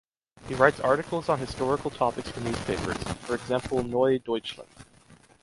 He writes articles on historical topics for newspapers, for example "Neues Deutschland".